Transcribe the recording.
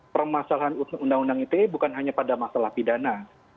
permasalahan undang undang ite bukan hanya pada masalah pidana